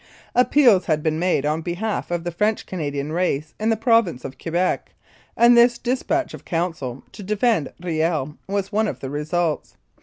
Appeals had been made on behalf of the French Canadian race in the Province of Quebec, and this dis patch of counsel to defend Riel was one of the results.